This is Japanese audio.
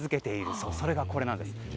そして、それがこれなんです。